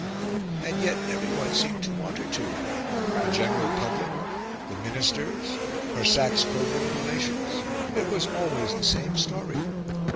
And yet everyone seemed to want her to the general public, the Ministers, her Saxe Coburg relations it was always the same story.